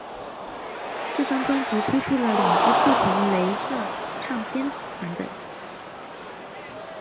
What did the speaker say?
这张专辑推出了两只不同雷射唱片版本。